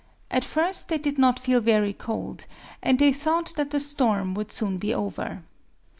At first they did not feel very cold; and they thought that the storm would soon be over.